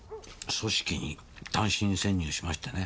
組織に単身潜入しましてね。